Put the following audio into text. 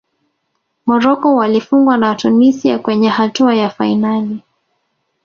morocco walifungwa na tunisia kwenye hatua ya fainali